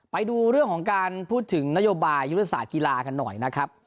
ไปดูเรื่องของการพูดถึงนโยบายยุทธศาสตร์กีฬากันหน่อยนะครับ